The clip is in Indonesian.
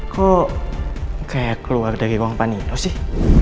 kok kayak keluar dari ruang pak nino sih